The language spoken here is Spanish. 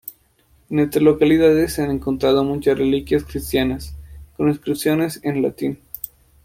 En estas localidades se han encontrado muchas reliquias cristianas, con inscripciones en latín.